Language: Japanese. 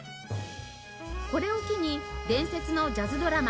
これを機に伝説のジャズドラマー